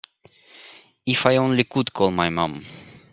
If I only could call my mom.